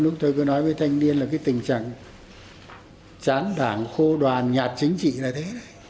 lúc tôi cứ nói với thanh niên là cái tình trạng chán đảng khô đoàn nhạt chính trị là thế đấy